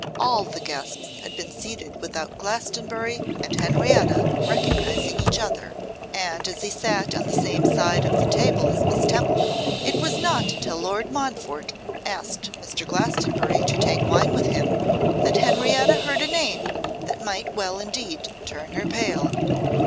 All the guests had been seated without Glastonbury and Henrietta recognising each other; and, as he sat on the same side of the table as Miss Temple, it was not until Lord Montfort asked Mr. Glastonbury to take wine with him, that Henrietta heard a name that might well indeed turn her pale.